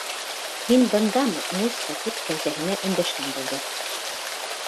Һин бындамы, Муська, тип кәзәһенә өндәшкән булды.